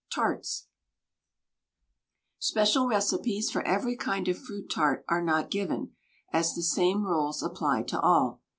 TARTS Special recipes for every kind of fruit tart are not given, as the same rules apply to all.